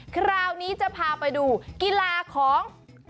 คราวนี้จะพาไปดูกีฬาของ